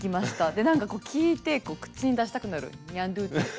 でなんかこう聞いて口に出したくなるニャンドゥティって。